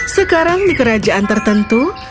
sekarang di kerajaan tertentu